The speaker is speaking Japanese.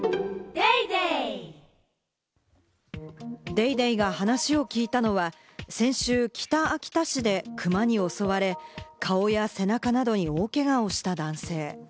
『ＤａｙＤａｙ．』が話を聞いたのは先週、北秋田市でクマに襲われ、顔や背中などに大けがをした男性。